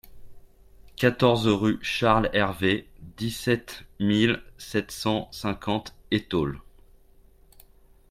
quatorze rue Charles Hervé, dix-sept mille sept cent cinquante Étaules